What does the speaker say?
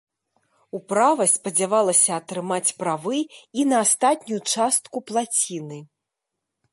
Управа спадзявалася атрымаць правы і на астатнюю частку плаціны.